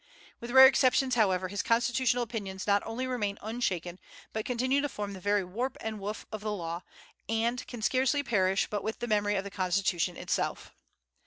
With rare exceptions, however, his constitutional opinions not only remain unshaken, but continue to form the very warp and woof of the law, and "can scarcely perish but with the memory of the Constitution itself."